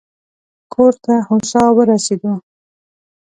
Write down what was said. کور ته هوسا ورسېدو.